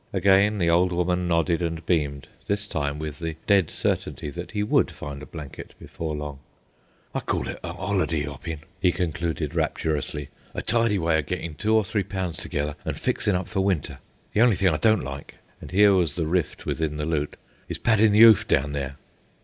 Again the old woman nodded and beamed, this time with the dead certainty that he would find a blanket before long. "I call it a 'oliday, 'oppin'," he concluded rapturously. "A tidy way o' gettin' two or three pounds together an' fixin' up for winter. The only thing I don't like"—and here was the rift within the lute—"is paddin' the 'oof down there."